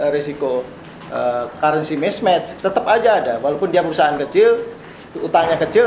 risiko currency mismatch tetap aja ada walaupun dia perusahaan kecil utangnya kecil